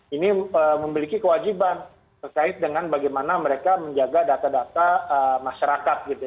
ini memiliki kewajiban terkait dengan bagaimana mereka menjaga data data masyarakat gitu ya